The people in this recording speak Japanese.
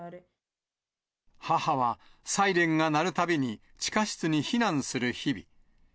母は、サイレンが鳴るたびに地下室に避難する日々。